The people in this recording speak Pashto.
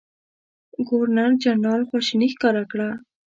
ګورنرجنرال خواشیني ښکاره کړه.